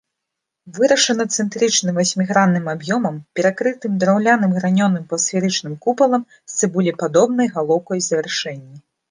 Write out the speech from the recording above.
Вырашана цэнтрычным васьмігранным аб'ёмам, перакрытым драўляным гранёным паўсферычным купалам з цыбулепадобнай галоўкай у завяршэнні.